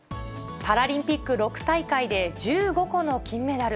パラリンピック６大会で１５個の金メダル。